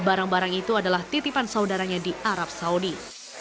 barang barang itu adalah titipan saudaranya di arab saudi